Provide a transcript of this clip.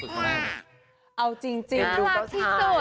เอาจริงด้วงที่สุด